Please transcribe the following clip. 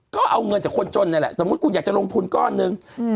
ก็เอาเงินจากคนจนนี่แหละสมมุติคุณอยากจะลงทุนก้อนหนึ่ง